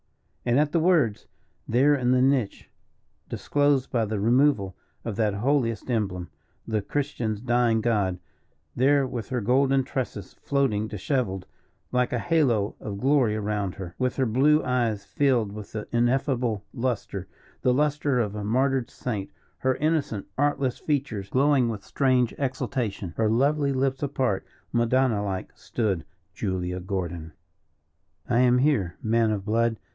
And at the words, there in the niche, disclosed by the removal of that holiest emblem, the Christian's dying God there with her golden tresses floating disheveled like a halo of glory round her, with her blue eyes filled with the ineffable lustre the lustre of a martyred saint, her innocent, artless features glowing with strange exultation, her lovely lips apart, madonna like, stood Julia Gordon. "I am here, man of blood.